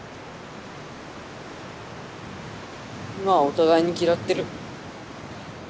今はお互いに嫌ってる。